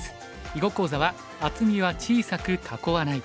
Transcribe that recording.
囲碁講座は「厚みは小さく囲わない」。